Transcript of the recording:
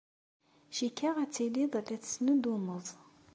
Cikkeɣ ad tilid la tettnuddumed.